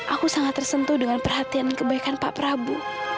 aku sangat tersentuh dengan perhatian kebaikan pak prabu